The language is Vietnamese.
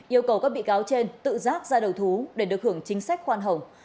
yêu cầu các bị cáo trên tự giác ra đầu thú để được hưởng chính sách khoan hồng